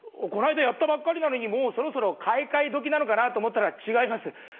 この間やったばっかりなのに「もうそろそろ買い替え時なのかな？」と思ったら違います。